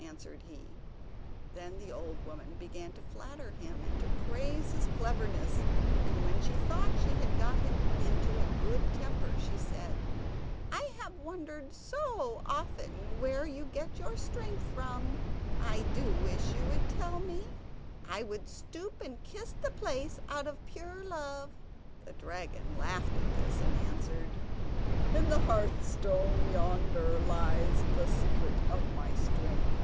answered he. Then the old woman began to flatter him, and to praise his cleverness; and when she thought she had got him into a good temper, she said: "I have wondered so often where you get your strength from; I do wish you would tell me. I would stoop and kiss the place out of pure love!" The dragon laughed at this, and answered: "In the hearthstone yonder lies the secret of my strength."